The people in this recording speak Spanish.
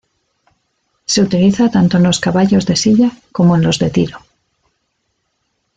Se utiliza tanto en los caballos de silla como en los de tiro.